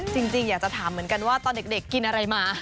จริงอยากจะถามเหมือนกันว่าตอนเด็กกินอะไรมา